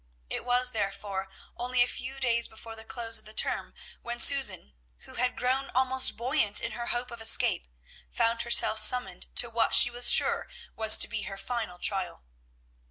It was, therefore, only a few days before the close of the term when Susan, who had grown almost buoyant in her hope of escape, found herself summoned to what she was sure was to be her final trial.